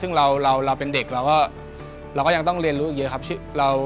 ซึ่งเราเป็นเด็กเราก็ยังต้องเรียนรู้อีกเยอะครับ